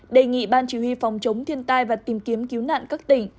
đề nghị ban chỉ huy phòng chống thiên tai và tìm kiếm cứu nạn các tỉnh